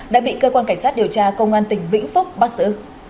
đã bị cơ quan cảnh sát điều tra công an tỉnh vĩnh phúc bắt giữ